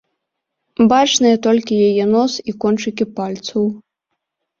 Бачныя толькі яе нос і кончыкі пальцаў.